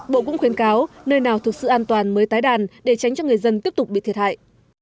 bộ cũng khuyến cáo nơi nào thực sự an toàn mới tái đàn để tránh cho người dân tiếp tục bị thiệt hại